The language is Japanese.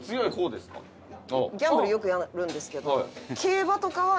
「ギャンブルよくやるんですけど」